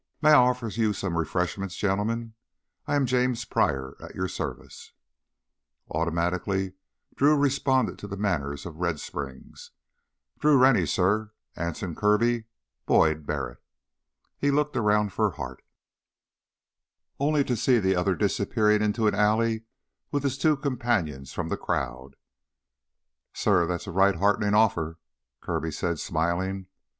"May I offer you some refreshment, gentlemen. I am James Pryor, at your service " Automatically Drew responded to the manners of Red Springs. "Drew Rennie, suh. Anson Kirby, Boyd Barrett...." He looked around for Hart, only to see the other disappearing into an alley with his two companions from the crowd. "Suh, that's a right heartenin' offer," Kirby said, smiling.